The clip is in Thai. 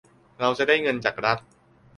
เราจะได้เงินจากรัฐ